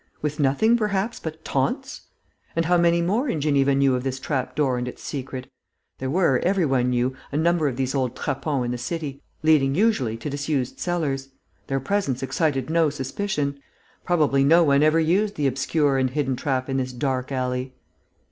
With nothing, perhaps, but taunts? And how many more in Geneva knew of this trap door and its secret? There were, every one knew, a number of these old trappons in the city, leading usually to disused cellars; their presence excited no suspicion. Probably no one ever used the obscure and hidden trap in this dark alley.